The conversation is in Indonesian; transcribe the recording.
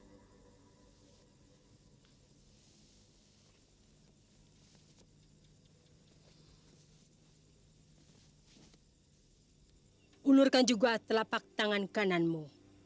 buat saya mengeluhkan juga telapak tangan kananmu